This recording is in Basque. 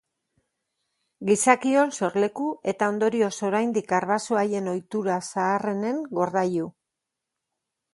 Gizakion sorleku eta ondorioz oraindik arbaso haien ohitura zaharrenen gordailu.